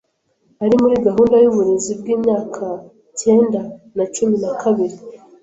Ari muri gahunda y’uburezi bw’imyaka cyenda na cumi na kabiri